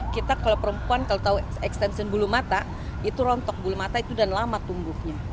kita kalau perempuan kalau tahu extension bulu mata itu rontok bulu mata itu dan lama tumbuhnya